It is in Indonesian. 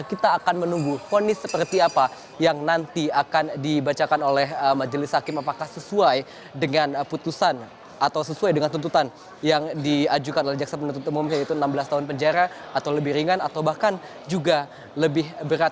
kita akan menunggu fonis seperti apa yang nanti akan dibacakan oleh majelis hakim apakah sesuai dengan putusan atau sesuai dengan tuntutan yang diajukan oleh jaksa penuntut umum yaitu enam belas tahun penjara atau lebih ringan atau bahkan juga lebih berat